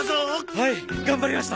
はい頑張りました。